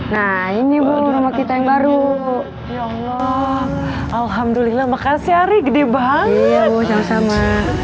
nah ini bu rumah kita yang baru ya allah alhamdulillah makasih hari gede banget sama sama